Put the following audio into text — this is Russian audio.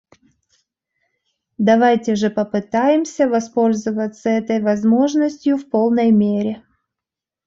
Давайте же попытаемся воспользоваться этой возможностью в полной мере.